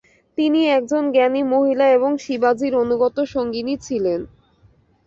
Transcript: তিনি একজন জ্ঞানী মহিলা এবং শিবাজীর অনুগত সঙ্গিনী ছিলেন।